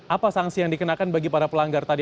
apa sanksi yang dikenakan bagi para pelanggar tadi